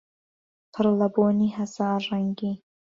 پڕ لە بۆنی هەزار ڕەنگی